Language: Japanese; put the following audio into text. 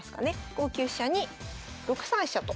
５九飛車に６三飛車と。